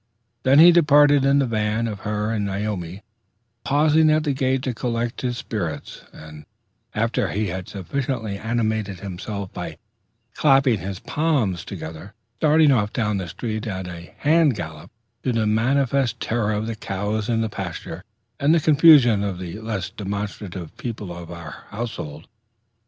Then he departed in the van of her and Naomi, pausing at the gate to collect his spirits, and, after he had sufficiently animated himself by clapping his palms together, starting off down the street at a hand gallop, to the manifest terror of the cows in the pasture, and the confusion of the less demonstrative people of our household.